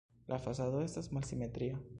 La fasado estas malsimetria.